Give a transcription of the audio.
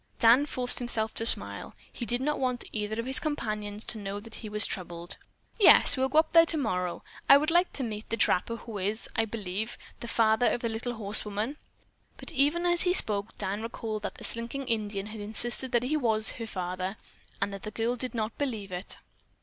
Dan forced himself to smile. He did not want either of his companions to know that he was troubled. "Yes, we'll go up there tomorrow. I would like to meet the trapper who is, I believe, the father of that little horsewoman." But even as he spoke Dan recalled that the slinking Indian had insisted that he was her father, and that the girl did not believe it.